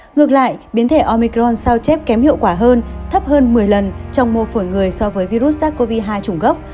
ngược lại biến thể omicron sao chép kém hiệu quả hơn thấp hơn một mươi lần trong mô phổi người so với virus sars cov hai chủng gốc